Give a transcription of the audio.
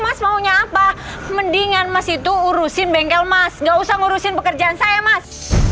mas maunya apa mendingan mas itu urusin bengkel mas gak usah ngurusin pekerjaan saya mas